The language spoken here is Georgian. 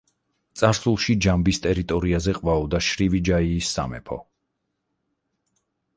წარსულში, ჯამბის ტერიტორიაზე ყვაოდა შრივიჯაიის სამეფო.